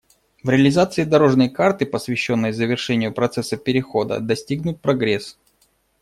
В реализации «дорожной карты», посвященной завершению процесса перехода, достигнут прогресс.